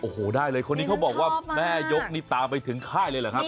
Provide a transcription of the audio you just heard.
โอ้โหได้เลยคนนี้เขาบอกว่าแม่ยกนี่ตามไปถึงค่ายเลยเหรอครับ